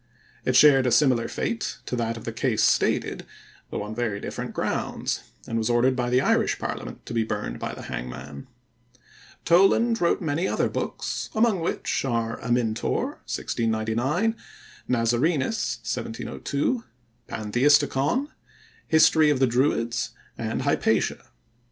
It shared a similar fate to that of the Case Stated, though on very different grounds, and was ordered by the Irish parliament to be burned by the hangman. Toland wrote many other books, among which are Amyntor (1699); Nazarenus (1702); Pantheisticon; History of the Druids; and Hypatia.